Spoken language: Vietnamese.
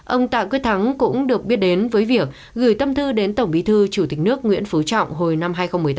ông tạ quyết thắng cũng được biết đến với việc gửi tâm thư đến tổng bí thư chủ tịch nước nguyễn phú trọng hồi năm hai nghìn một mươi tám